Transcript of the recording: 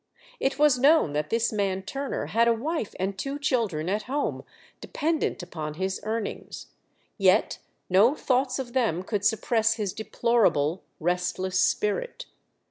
It was known that this man Turner had a wife and two children at home depen dent upon his earnings ; yet no thoughts of them could suppress his deplorable, restless spirit.